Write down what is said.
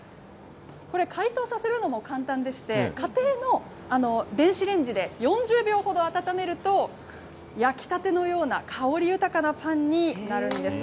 これ、解凍させるのも簡単でして、家庭の電子レンジで４０秒ほど温めると、焼きたてのような、香り豊かなパンになるんです。